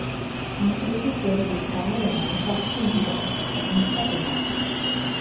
Anschließend wurde die Zahl der Mannschaften wieder auf sieben verringert.